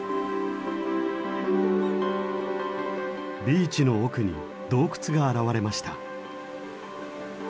ビーチの奥に洞窟が現れました。